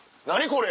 これ。